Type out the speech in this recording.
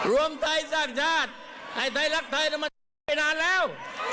รวมไทยสร้างชาติให้ไทยรักไทยแล้วมันทำไปนานแล้ว